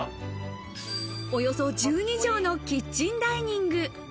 およそ１２帖のキッチンダイニング。